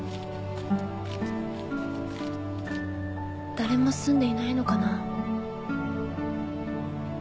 誰も住んでいないのかな。